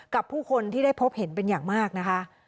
กับผู้คนที่ได้พบเห็นเป็นอย่างมากนะคะ